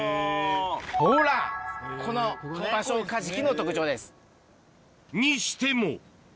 ほら、このバショウカジキの特徴にしても。